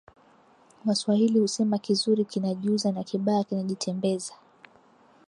Waswahili husema kizuri kinajiuza na kibaya kinajitembeza